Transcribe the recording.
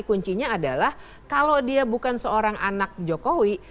kuncinya adalah kalau dia bukan seorang anak jokowi